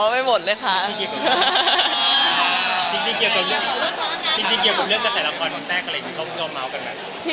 อ๋อไม่ใช่